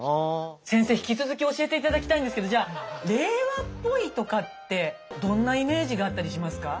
先生引き続き教えて頂きたいんですけどじゃ令和っぽいとかってどんなイメージがあったりしますか？